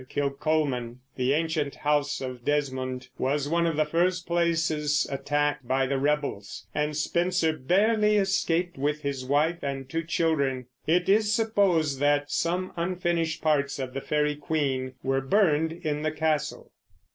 Kilcolman, the ancient house of Desmond, was one of the first places attacked by the rebels, and Spenser barely escaped with his wife and two children. It is supposed that some unfinished parts of the Faery Queen were burned in the castle.